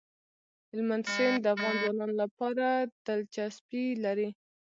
هلمند سیند د افغان ځوانانو لپاره دلچسپي لري.